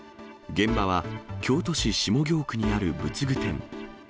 現場は、京都市下京区にある仏具店。